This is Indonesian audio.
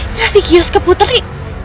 ngasih kios ke putri